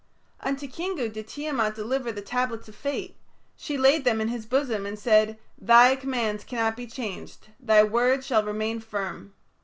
Unto Kingu did Tiamat deliver the tablets of fate; she laid them in his bosom, and said, "Thy commands cannot be changed; thy words shall remain firm."